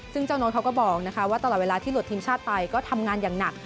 ซึ่งเจ้าโน้ตเขาก็บอกว่าตลอดเวลาที่หลุดทีมชาติไปก็ทำงานอย่างหนัก